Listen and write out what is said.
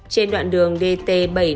trên đoạn đường dt bảy trăm năm mươi chín